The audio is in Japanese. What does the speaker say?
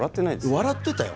笑ってたよ